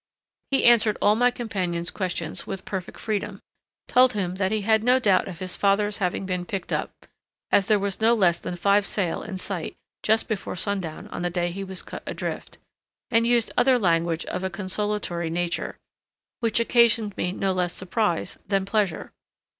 He answered all my companion's questions with perfect freedom; told him that he had no doubt of his father's having been picked up, as there were no less than five sail in sight just before sundown on the day he was cut adrift; and used other language of a consolatory nature, which occasioned me no less surprise than pleasure.